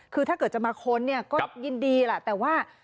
คือถ้าเกิดจะมาค้นเนี่ยก็ยินดีแหละแต่ว่า